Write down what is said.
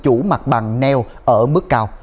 chủ mặt bằng neo ở mức cao